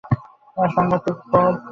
সাংঘাতিক, বব।